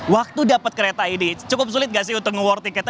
waktu dapat kereta ini cukup sulit gak sih untuk nge war tiketnya